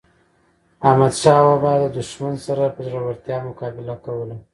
احمد شاه بابا د دښمن سره په زړورتیا مقابله کوله.